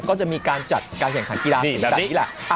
ก็จะมีการจัดการแข่งขันกีฬาแบบนี้แหละ